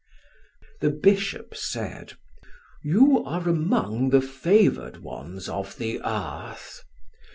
The bishop said: "You are among the favored ones of the earth.